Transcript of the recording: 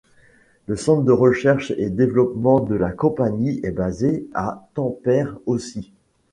Le centre de recherche et développement de la compagnie est basé à Tampere aussi.